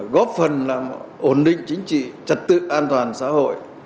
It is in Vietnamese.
góp phần làm ổn định chính trị trật tự an toàn xã hội